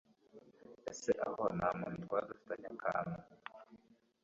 ese aho nta muntu twaba dufitanye akantu